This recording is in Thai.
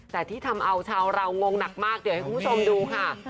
แต่ที่ทำเอาชาวเรางงหนักมากเดี๋ยวให้คุณผู้ชมดูค่ะ